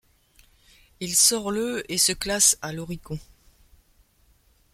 Il sort le et se classe à l'Oricon.